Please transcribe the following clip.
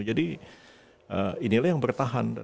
jadi inilah yang bertahan